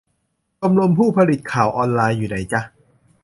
ชมรมผู้ผลิตข่าวออนไลน์ อยู่ไหนจ๊ะ ?